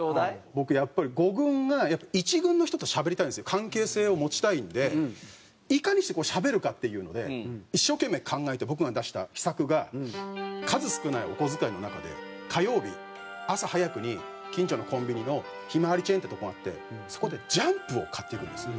関係性を持ちたいのでいかにしてしゃべるかっていうので一生懸命考えて僕が出した秘策が数少ないお小遣いの中で火曜日朝早くに近所のコンビニのひまわりチェーンってとこがあってそこで『ジャンプ』を買っていくんです。